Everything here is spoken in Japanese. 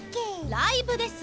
ライブです！